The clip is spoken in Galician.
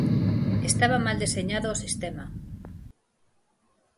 Estaba mal deseñado o sistema.